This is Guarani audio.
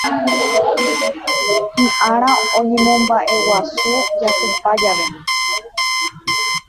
Hiʼára oñemombaʼeguasu jasypa jave.